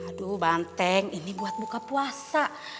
aduh banteng ini buat buka puasa